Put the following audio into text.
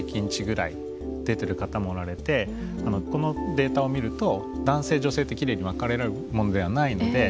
このデータを見ると男性女性ってきれいに分かれるものではないので。